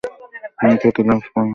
তিনি খ্যাতি লাভ করেন।